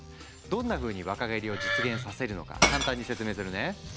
どんなふうに若返りを実現させるのか簡単に説明するね。